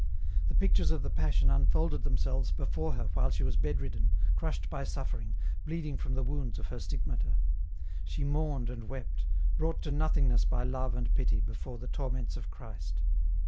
The pictures of the Passion unfolded themselves before her while she was bed ridden, crushed by suffering, bleeding from the wounds of her stigmata ; she mourned and wept, brought to nothingness by love and pity, before the torments of Christ.